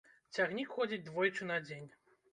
Цягнік ходзіць двойчы на дзень.